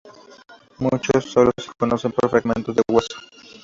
Muchos sólo se conocen por fragmentos de hueso.